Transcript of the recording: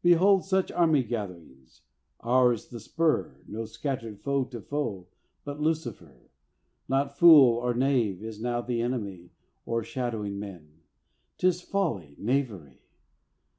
Behold such army gathering: ours the spur, No scattered foe to face, but Lucifer. Not fool or knave is now the enemy O'ershadowing men, 'tis Folly, Knavery!